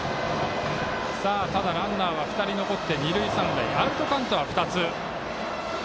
ただ、ランナーは２人残って二塁三塁、アウトカウントは２つ。